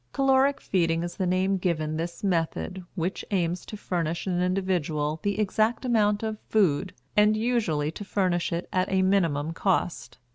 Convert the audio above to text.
"Caloric Feeding" is the name given the method which aims to furnish an individual the exact amount of food, and usually to furnish it at a minimum cost.